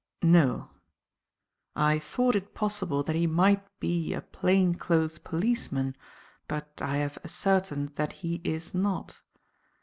"No. I thought it possible that he might be a plain clothes policeman, but I have ascertained that he is not.